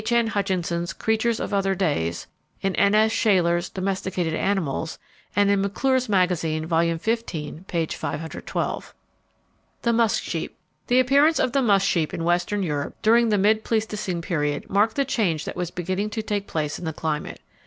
N. Hutchinson's Creatures of Other Days, in N. S. Shaler's Domesticated Animals, and in McClure's Magazine, Vol. 15, p. 512. The Musk Sheep. The appearance of the musk sheep in western Europe during the mid Pleistocene period marked the change that was beginning to take place in the climate.